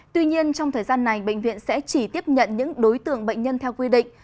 tuy nhiên trong thời gian này bệnh viện sẽ chỉ tiếp nhận những đối tượng bệnh nhân theo quy định